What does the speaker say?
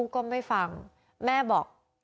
ก็ไม่ฟังแม่บอก